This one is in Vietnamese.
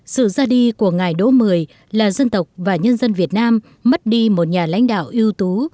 sự ra đi của ngài đỗ mười là dân tộc và nhân dân việt nam mất đi một nhà lãnh đạo ưu tú